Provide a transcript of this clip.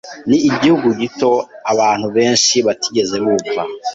Ni igihugu gito abantu benshi batigeze bumva.